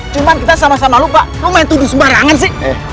cuma kita sama sama lupa kamu main tuduh sembarangan sih